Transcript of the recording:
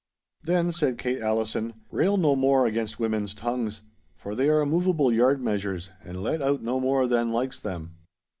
'Then,' said Kate Allison, 'rail no more against woman's tongues. For they are moveable yard measures, and let out no more than likes them.